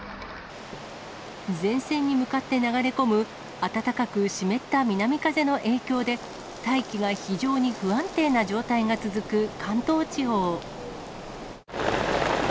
前線に向かって流れ込む暖かく湿った南風の影響で、大気が非常に不安定な状態が続く関東地方。